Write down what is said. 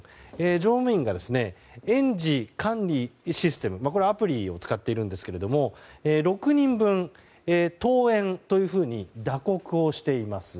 乗務員が園児管理システムでこれはアプリを使っていますが６人分、登園というふうに打刻をしています。